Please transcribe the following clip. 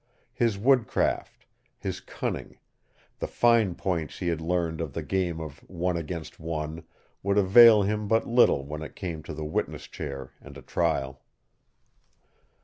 His woodcraft, his cunning, the fine points he had learned of the game of one against one would avail him but little when it came to the witness chair and a trial.